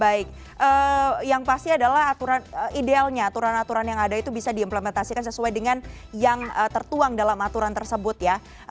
baik yang pasti adalah aturan idealnya aturan aturan yang ada itu bisa diimplementasikan sesuai dengan yang tertuang dalam aturan tersebut ya